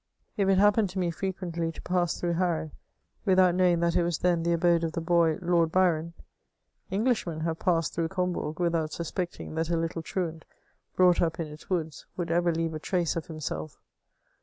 If it happened to me firequently to pass through Harrow, without knowing that it was then the abode of the boy, Loid Byron, Englishmen have passed through Combourg ^without suspecting that a little truant, brought up in its woods, would ever leave a trace o£ himself.